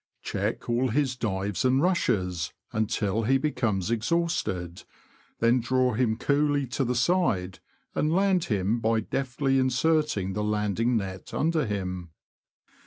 Check all his dives and rushes, until he becomes exhausted ; then draw him coolly to the side, and land him by deftly inserting the landing net under him.